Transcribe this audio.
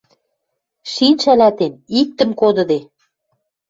Шин шӓлӓтен, иктӹм кодыде.